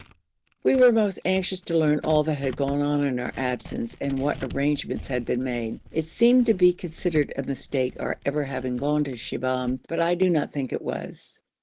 We were most anxious to learn all that had gone on in our absence, and what arrangements had been made. It seemed to be considered a mistake our ever having gone to Shibahm, but I do not think it was.